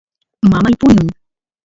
mamay puñun